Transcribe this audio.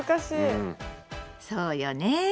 そうよね。